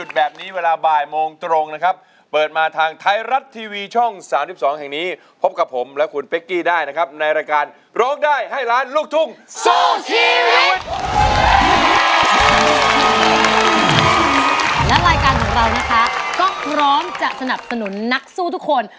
และรายการของเรานะคะก็พร้อมจะสนับสนุนนักสู้ทุกคน